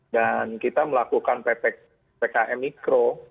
dan kita melakukan petek pkm mikro